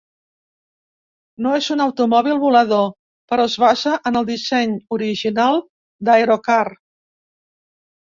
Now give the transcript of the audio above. No és un automòbil volador però es basa en el disseny original d'Aerocar.